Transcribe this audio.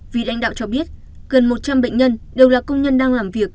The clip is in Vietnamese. vị lãnh đạo cho biết gần một trăm linh bệnh nhân đều là công nhân đang làm việc